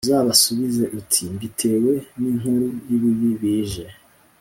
Uzabasubize uti Mbitewe n inkuru y ibibi bije